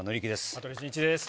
羽鳥慎一です。